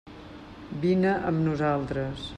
Vine amb nosaltres.